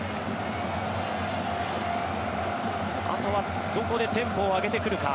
あとはどこでテンポを上げてくるか。